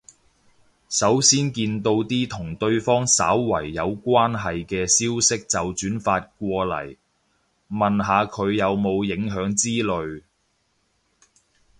首先見到啲同對方稍為有關係嘅消息就轉發過嚟，問下佢有冇影響之類